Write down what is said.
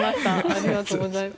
ありがとうございます。